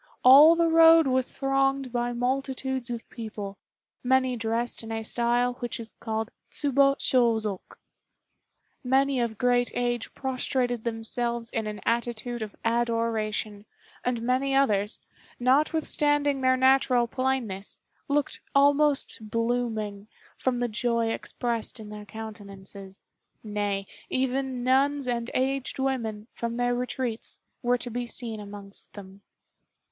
All the road was thronged by multitudes of people, many dressed in a style which is called Tsubo Shôzok. Many of great age prostrated themselves in an attitude of adoration, and many others, notwithstanding their natural plainness, looked almost blooming, from the joy expressed in their countenances nay, even nuns and aged women, from their retreats, were to be seen amongst them.